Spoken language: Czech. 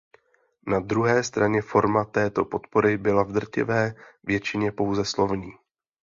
Na druhé straně forma této podpory byla v drtivé většině pouze slovní.